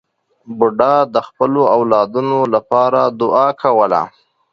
بوډا د خپلو اولادونو لپاره دعا کوله.